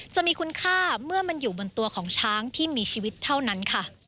จะมีคุณค่าเมื่อมันอยู่บนตัวของช้างที่มีชีวิตเท่านั้นค่ะ